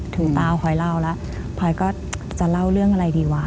ตาพลอยเล่าแล้วพลอยก็จะเล่าเรื่องอะไรดีวะ